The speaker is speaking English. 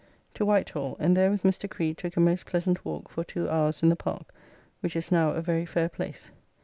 To Whitehall and there with Mr. Creed took a most pleasant walk for two hours in the park, which is now a very fair place.